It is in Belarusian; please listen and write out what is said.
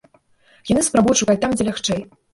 Яны спрабуюць шукаць там, дзе лягчэй.